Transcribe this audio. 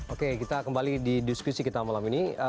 oke kita kembali di diskusi kita malam ini